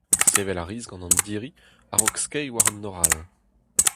Sevel a ris gant an diri a-raok skeiñ war un nor all.